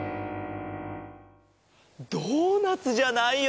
ドーナツじゃないよ。